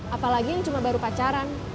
apalagi yang cuma baru pacaran